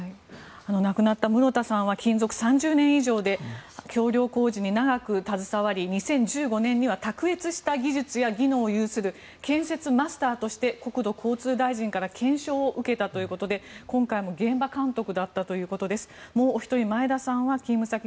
亡くなった室田さんは勤続３０年以上で橋梁工事に長く携わり２０１５年には卓越した技術を要する建設マスターとして国土交通大臣から懸賞を受けたということで今回も現場監督だったということです。